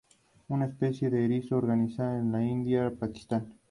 Actualmente se encuentra en el Club Almagro.